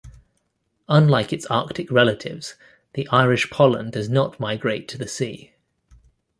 Unlike its Arctic relatives, the Irish pollan does not migrate to the sea.